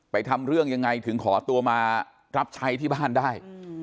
ทำเรื่องยังไงถึงขอตัวมารับใช้ที่บ้านได้